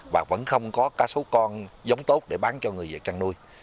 và vẫn không có cá sấu con giống tốt để bán cho người dạy trang nuôi